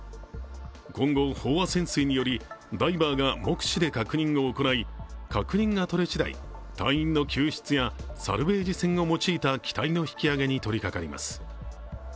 今後、飽和潜水によりダイバーが目視で確認を行い、確認が取れしだい、隊員の救出やサルベージ船を用いた機体の引き揚げに取りかかります。